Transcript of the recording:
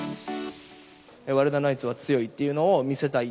ワイルドナイツは強いっていうのを見せたい。